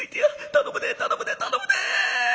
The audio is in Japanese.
頼むで頼むで頼むで！」。